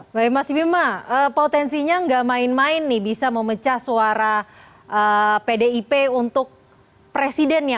mbak simima potensinya nggak main main nih bisa memecah suara pdip untuk presidennya